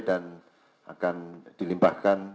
dan akan dilimpahkan